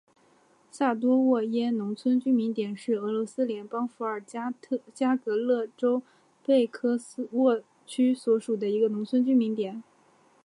萨多沃耶农村居民点是俄罗斯联邦伏尔加格勒州贝科沃区所属的一个农村居民点。